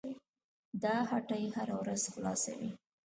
دا هټۍ هره ورځ خلاصه وي.